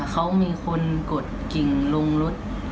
เขามีคนกดกิ่งลงรถ